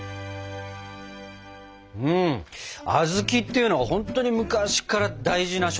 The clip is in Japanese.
小豆っていうのはほんとに昔から大事な食材だったんですね。